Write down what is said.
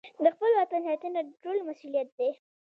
د خپل وطن ساتنه د ټولو مسوولیت دی.